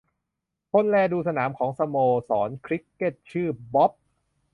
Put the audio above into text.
คนดูแลสนามของสโมสรคริกเกตชื่อบ๊อบ